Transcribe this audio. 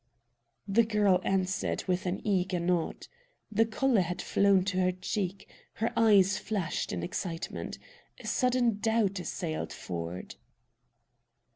The girl answered with an eager nod. The color had flown to her cheek. Her eyes flashed in excitement. A sudden doubt assailed Ford.